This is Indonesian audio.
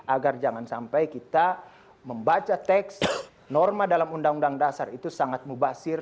agar jangan sampai kita membaca teks norma dalam undang undang dasar itu sangat mubasir